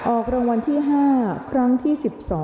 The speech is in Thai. ออกรางวัลที่๕ครั้งที่๑๒